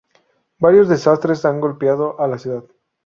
Varios desastres han golpeado a la ciudad.